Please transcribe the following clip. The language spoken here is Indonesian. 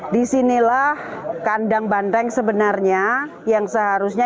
di sinilah kandang banteng sebenarnya yang seharusnya